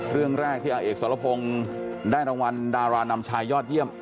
เรื่องแรกที่อาเอกสรพงศ์ได้รางวัลดารานำชายยอดเยี่ยม